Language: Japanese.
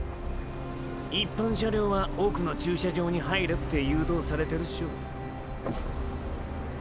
一般車両は奥の駐車場に入れって誘導されてるショ。